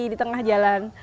di tengah jalan